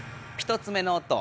１つ目の音。